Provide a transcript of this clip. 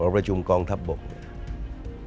ประจุมเรียกความเกี่ยวกับกล้องเทปบก